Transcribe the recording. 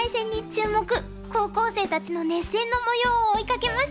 高校生たちの熱戦のもようを追いかけました。